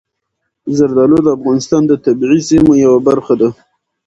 زردالو د افغانستان د طبیعي زیرمو یوه برخه ده.